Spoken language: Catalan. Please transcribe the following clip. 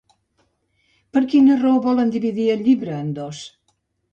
Per quina raó volen dividir el llibre en dos?